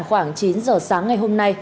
khoảng chín giờ sáng ngày hôm nay